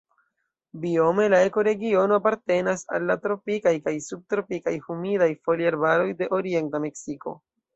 Biome la ekoregiono apartenas al tropikaj kaj subtropikaj humidaj foliarbaroj de orienta Meksiko.